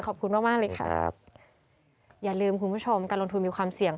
ขอบคุณมากมากเลยค่ะครับอย่าลืมคุณผู้ชมการลงทุนมีความเสี่ยง